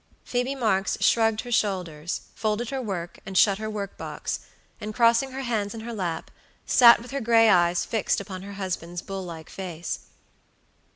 Phoebe Marks shrugged her shoulders, folded her work, shut her work box, and crossing her hands in her lap, sat with her gray eyes fixed upon her husband's bull like face.